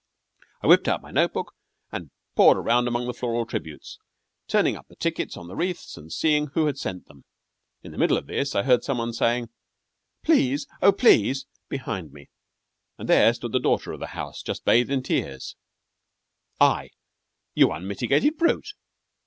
I whipped out my note book and pawed around among the floral tributes, turn ing up the tickets on the wreaths and seeing who had sent them. In the middle of this I heard some one saying: "Please, oh, please!" behind me, and there stood the daughter of the house, just bathed in tears I You unmitigated brute!